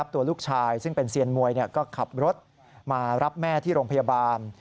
ตัวลูกชายซึ่งเป็นเซียนมวยก็ขับรถมารับแม่ที่โรงพยาบาล